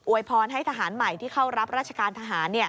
วยพรให้ทหารใหม่ที่เข้ารับราชการทหาร